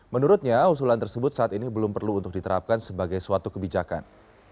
menurutnya usulan tersebut saat ini belum perlu untuk diterapkan sebagai suatu kebijakan